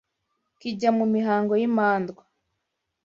kijya mu mihango y’imandwa